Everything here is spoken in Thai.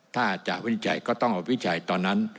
ถ้าจะวินิจฉัยก็ต้องเอาวิจัยตอนนั้น